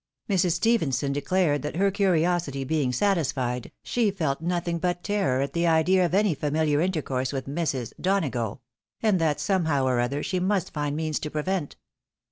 Mrs. Stephenson declared that her curiosity being satisfied, she felt nothing but terror at the idea of any familiar intercourse with "Mrs. Donago ;" and that, somehow or other, she must find means to prevent.